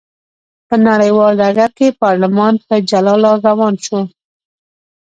په نړیوال ډګر کې پارلمان په جلا لار روان شو.